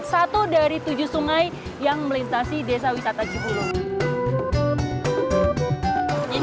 satu dari tujuh sungai yang melintasi desa wisata cibulu